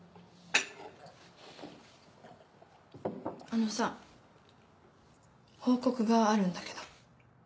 あのさ報告があるんだけど。